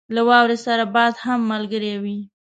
له واورې سره باد هم ملګری وو.